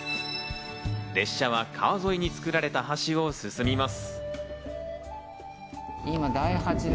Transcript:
列車は川沿いにつくられた橋を進みます。